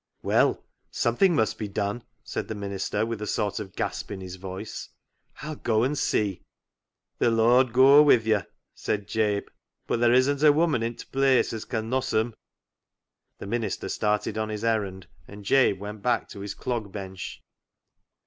" Well, something must be done," said the minister, with a sort of gasp in his voice. " I'll go and see." " The Lord goa wi' you," said Jabe, " but there isn't a woman i' t' place as can noss em. " The minister started on his errand, and Jabe went back to his clog bench.